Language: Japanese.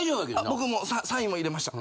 僕もサインも入れました。